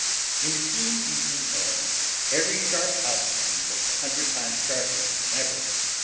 In the keen evening air, every sharp outline looked a hundred times sharper than ever.